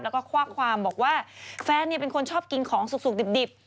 แล้วก็ข้อความบอกว่าแฟนเป็นคนชอบกินของสุกดิบ